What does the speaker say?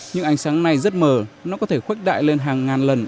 nhưng ánh sáng này rất mờ nó có thể khuếch đại lên hàng ngàn lần